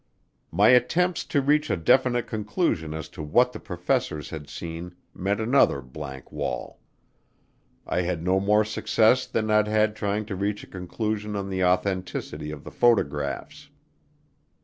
My attempts to reach a definite conclusion as to what the professors had seen met another blank wall. I had no more success than I'd had trying to reach a conclusion on the authenticity of the photographs.